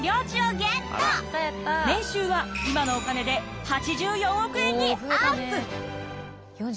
年収は今のお金で８４億円にアップ。